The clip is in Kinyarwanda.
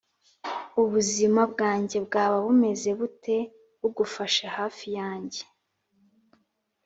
ubuzima bwanjye bwaba bumeze bute, bugufashe hafi yanjye